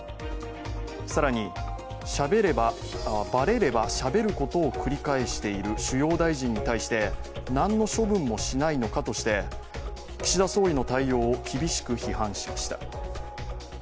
更に、ばれればしゃべることを繰り返している主要大臣に対して何の処分もしないのかとして岸田総理の対応を厳しく批判しました。